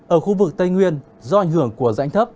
ở khu vực tây nguyên do ảnh hưởng của rãnh thấp